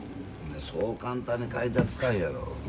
そう簡単に買い手はつかんやろ。